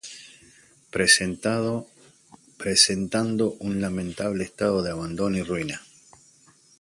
Presentando un lamentable estado de abandono y ruina.